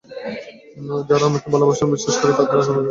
যারা আমাকে ভালোবাসে এবং বিশ্বাস করে তাদের আগে কীভাবে যাবো?